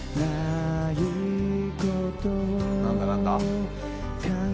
何だ何だ？